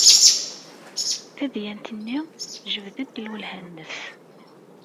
Tadyant-nni tejbed-d lwelha-nnes.